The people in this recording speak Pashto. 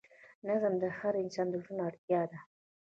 نظم د هر انسان د ژوند اړتیا ده.